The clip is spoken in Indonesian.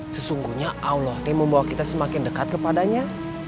sesungguhnya allah ini membawa kita semakin dekat kepadanya